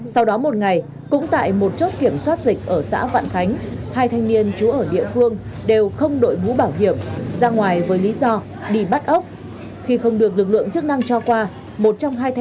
sau đó một ngày cũng tại một lực lượng tại chốt đã nhanh chóng quật ngã và không chế đối tượng